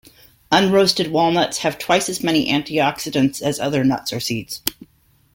Unroasted walnuts have twice as many antioxidants as other nuts or seeds.